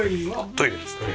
トイレですね。